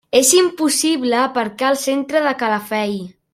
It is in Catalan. És impossible aparcar al centre de Calafell.